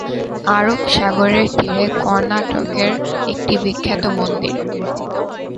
আরব সাগরের তীরে কর্ণাটকের একটি বিখ্যাত মন্দির।